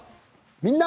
「みんな！